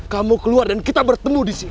kamu keluar dan kita bertemu disini